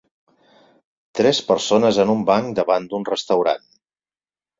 Tres persones en un banc davant d'un restaurant.